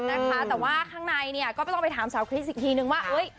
นะคะแต่ว่าข้างในก็ไม่ต้องไปถามสาวคริสอีกทีหนึ่งว่าเฮ้ย